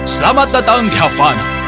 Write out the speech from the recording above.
selamat datang di havana